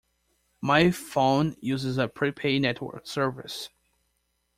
My phone uses a prepay network service.